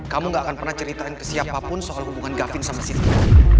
kamu gak akan pernah ceritain ke siapapun soal hubungan gavin sama siti